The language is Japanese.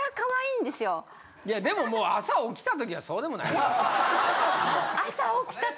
いやでももう朝起きた時はそうでもないでしょ。